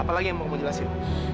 apa lagi yang mau aku jelasin